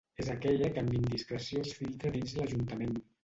És aquella que amb indiscreció es filtra dins l'Ajuntament.